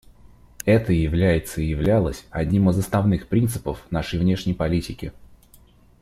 Это является и являлось одним из основных принципов нашей внешней политики.